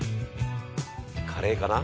「カレーかな？